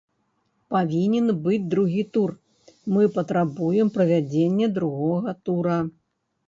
Павінен быць другі тур, мы патрабуем правядзення другога тура.